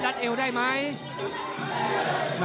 รัดเอวได้ไหม